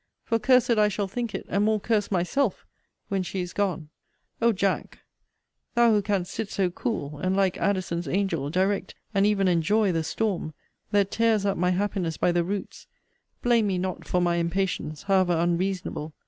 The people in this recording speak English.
For cursed I shall think it, and more cursed myself, when she is gone. O, Jack! thou who canst sit so cool, and, like Addison's Angel, direct, and even enjoy, the storm, that tears up my happiness by the roots; blame me not for my impatience, however unreasonable!